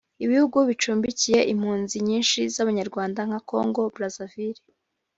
Ibihugu bicumbikiye impunzi nyinshi z’Abanyarwanda nka Congo Brazaville